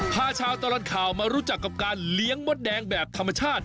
พาชาวตลอดข่าวมารู้จักกับการเลี้ยงมดแดงแบบธรรมชาติ